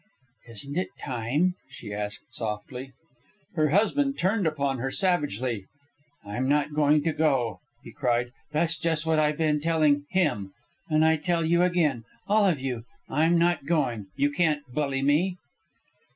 "Isn't it time?" she asked softly. Her husband turned upon her savagely. "I'm not going to go!" he cried. "That's just what I've been telling... him. And I tell you again, all of you, I'm not going. You can't bully me."